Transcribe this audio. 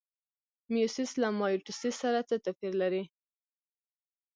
میوسیس له مایټوسیس سره څه توپیر لري؟